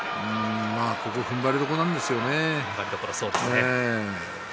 ふんばりどころなんですよね